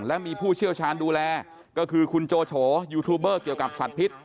และมีผู้เชี่ยวชาญดูแลก็คือคุณโจโฉยูทูบเบอร์เกี่ยวกับสัตว์พิษ